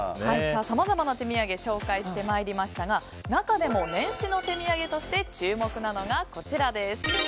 さまざまな手土産を紹介してまいりましたが中でも年始の手土産として注目なのがこちらです。